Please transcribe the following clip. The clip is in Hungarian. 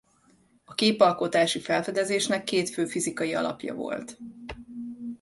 A képalkotási felfedezésnek két fő fizikai alapja volt.